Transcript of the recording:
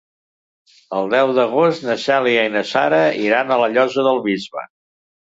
El deu d'agost na Cèlia i na Sara iran a la Llosa del Bisbe.